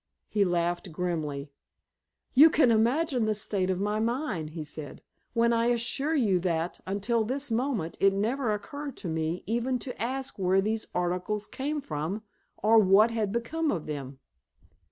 He laughed grimly. "You can imagine the state of my mind," he said, "when I assure you that, until this moment, it never occurred to me even to ask where these articles came from or what had become of them."